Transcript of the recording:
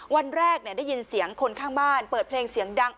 วันแรกได้ยินเสียงคนข้างบ้านเปิดเพลงเสียงดัง